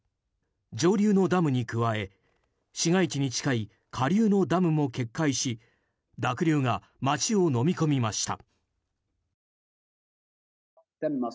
上流のダムに加え市街地に近い下流のダムも決壊し濁流が街をのみ込みました。